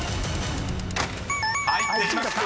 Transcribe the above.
［入っていました。